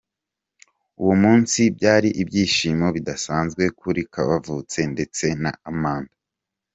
Uwo munsi byari ibyishimo bidasanzwe kuri Kavutse ndetse na Amanda.